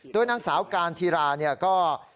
โดยนางสาวการธิราเนี่ยก็